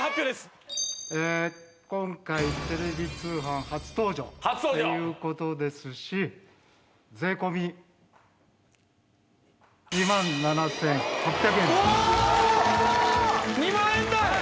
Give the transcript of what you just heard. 今回テレビ通販初登場っていう事ですし税込２万７８００円。おおーっ！